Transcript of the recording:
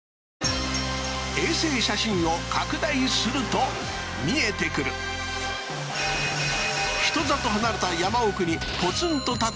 衛星写真を拡大すると見えてくる人里離れた